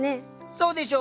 そうでしょ。